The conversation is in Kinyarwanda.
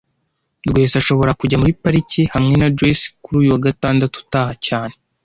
Rwesa ashobora kujya muri pariki hamwe na Joyce kuri uyu wa gatandatu utaha cyane